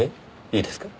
いいですか？